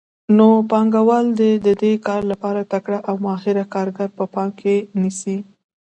نو پانګوال د دې کار لپاره تکړه او ماهر کارګر په پام کې نیسي